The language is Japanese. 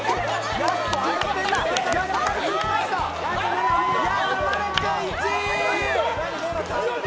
やさまる君、１位！